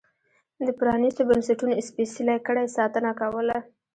د پرانیستو بنسټونو سپېڅلې کړۍ ساتنه کوله.